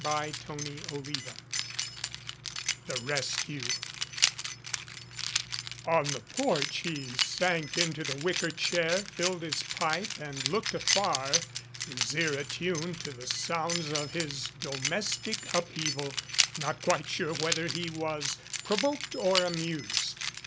CHAPTER VI THE RESCUE ON the porch he sank into the wicker chair, filled his pipe and looked afar, his ear attuned to the sounds of his domestic upheaval, not quite sure whether he was provoked or amused.